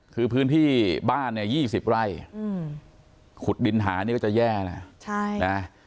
คือพื้นที่บ้านเนี่ย๒๐ไร่ขุดดินหานี่ก็จะแย่นะ